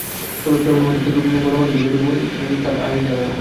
তবে প্রেমের থেকেও গণমাধ্যমের মনোযোগ তিনি বেশি পেয়েছেন তাঁর আইনি ঝামেলার জন্য।